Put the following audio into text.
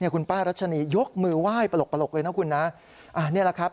คุณป้ารัชนียกมือไหว้ปลกเลยนะคุณนะนี่แหละครับ